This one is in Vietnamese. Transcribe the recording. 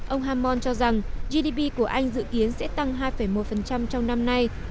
ông hammon cho rằng gdp của anh dự kiến sẽ tăng hai một trong năm nay